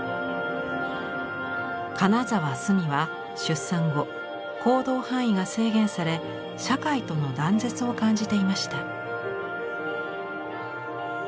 金沢寿美は出産後行動範囲が制限され社会との断絶を感じていました。